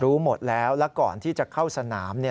รู้หมดแล้วแล้วก่อนที่จะเข้าสนาม